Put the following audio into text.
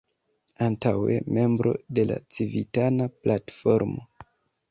Antaŭe membro de la Civitana Platformo.